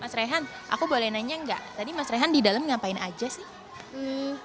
mas rehan aku boleh nanya nggak tadi mas rehan di dalam ngapain aja sih